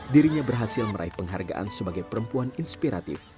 dirinya berhasil meraih penghargaan sebagai perempuan inspiratif